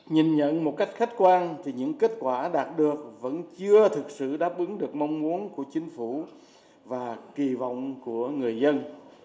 nhìn nhận một cách khách quan thì những kết quả đạt được vẫn chưa thực sự đáp ứng được mong muốn của chính phủ và kỳ vọng của người dân